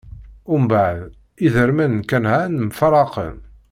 Mbeɛd, iderman n Kanɛan mfaṛaqen.